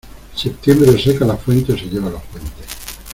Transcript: Septiembre o seca las fuentes o se lleva los puentes.